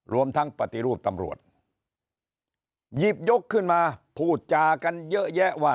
รวมทั้งปฏิรูปตำรวจหยิบยกขึ้นมาพูดจากันเยอะแยะว่า